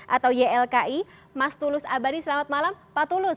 atau ylki mas tulus abadi selamat malam pak tulus